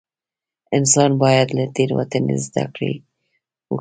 انسان باید له تېروتنې زده کړه وکړي.